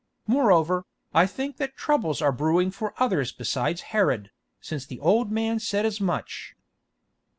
Moreover, I think that troubles are brewing for others besides Herod, since the old man said as much."